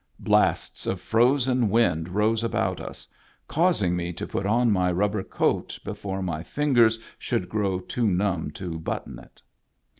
Blasts of frozen wind rose about us, causing me to put on my rubber coat before my fingers should grow too numb to button it.